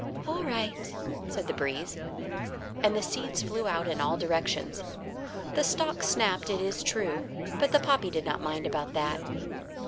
"All right," said the breeze. And the seeds flew out in all directions. The stalk snapped, it is true; but the poppy did not mind about that.